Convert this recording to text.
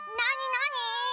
なに？